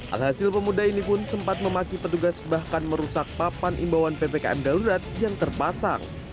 alhasil pemuda ini pun sempat memaki petugas bahkan merusak papan imbauan ppkm darurat yang terpasang